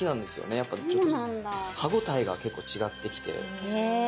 やっぱちょっと歯応えが結構違ってきて。